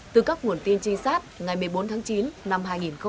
từ các nguồn tin trinh sát ngày một mươi bốn tháng chín năm hai nghìn hai mươi ba